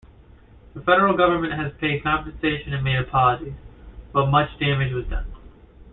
The federal government has paid compensation and made apologies, but much damage was done.